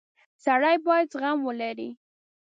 • سړی باید زغم ولري.